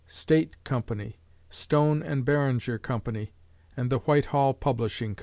State Company; Stone & Barringer Co.; and the Whitehall Publishing Co.